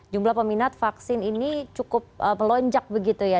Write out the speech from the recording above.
jumlah peminat vaksin ini cukup melonjak begitu ya